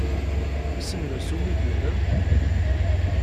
Isem-nnes umidi-nnem?